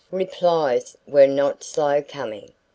Replies were not slow coming.